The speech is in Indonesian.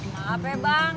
maaf ya bang